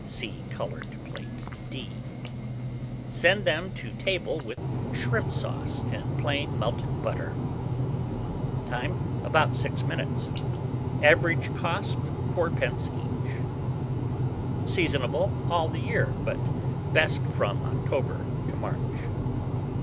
(See Coloured Plate D.) Send them to table with shrimp sauce and plain melted butter. Time. About 6 minutes. Average cost, 4d. each. Seasonable all the year, but best from October to March.